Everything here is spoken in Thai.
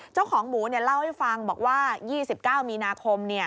เจ้าของหมูเล่าให้ฟังบอกว่า๒๙มีนาคม